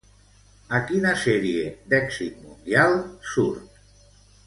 A quina sèrie d'èxit mundial surt?